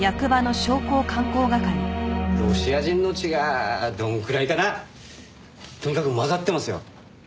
ロシア人の血がどんくらいかなとにかく混ざってますよ。